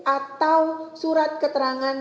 atau surat keterangan